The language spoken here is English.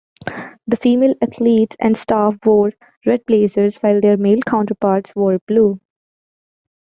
The female athletes and staff wore red blazers, while their male counterparts wore blue.